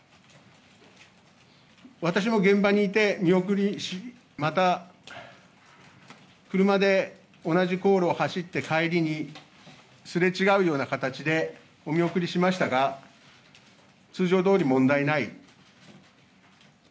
私も現場にいて、見送り、また、車で同じ航路を走って帰りに、すれ違うような形で、お見送りしましたが、通常どおり問題ない。